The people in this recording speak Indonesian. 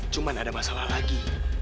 cuman ada masalah lagi